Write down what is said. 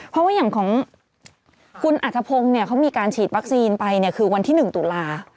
เพราะว่าอย่างของคุณอัธพงศ์เขามีการฉีดวัคซีนไปคือวันที่๑ตุลา